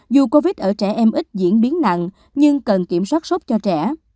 dù covid ở trẻ em ít diễn biến nặng nhưng cần kiểm soát sốc cho trẻ